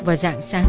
vào dạng sáng